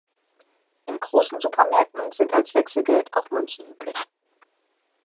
In großen Supermärkten sind als Wechselgeld auch Münzen üblich.